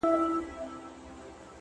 • شرمنده سو ته وا ټول عالم پر خاندي,